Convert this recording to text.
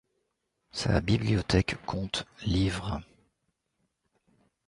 Sa bibliothèque compte livres.